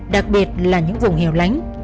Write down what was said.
đặc biệt là những vùng hẻo lánh